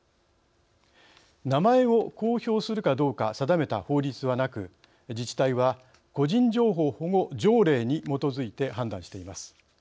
名前を公表するかどうか定めた法律はなく、自治体は個人情報保護条例に基づいて判断しています。